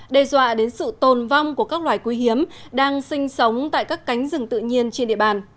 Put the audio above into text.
đe dọa đến sự tồn vong của các loài quý hiếm đang sinh sống tại các cánh rừng tự nhiên trên địa bàn